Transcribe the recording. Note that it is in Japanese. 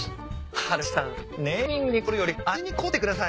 春吉さんネーミングに凝るより味に凝ってください。